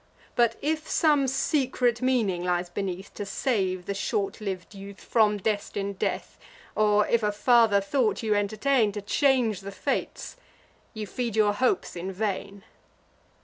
But, if some secret meaning lies beneath, To save the short liv'd youth from destin'd death, Or if a farther thought you entertain, To change the fates; you feed your hopes in vain."